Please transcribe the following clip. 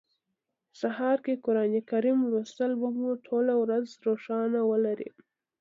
سهار کی قران کریم لوستل به مو ټوله ورځ روښانه ولري